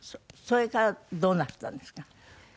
それからどうなすったんですか？